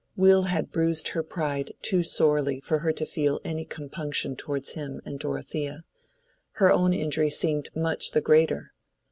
Will had bruised her pride too sorely for her to feel any compunction towards him and Dorothea: her own injury seemed much the greater.